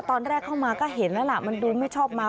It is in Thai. ตอนแรกเข้ามาก็เห็นแล้วล่ะมันดูไม่ชอบเมา